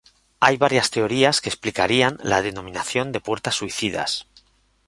Hay varias teorías que explicarían la denominación de puertas suicidas.